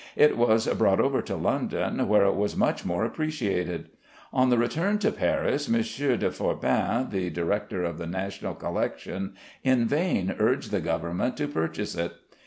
It was brought over to London, where it was much more appreciated. On its return to Paris, M. de Forbin, the director of the national collection, in vain urged the government to purchase it.